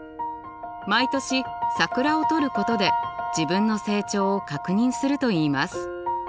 毎年桜を撮ることで自分の成長を確認するといいます。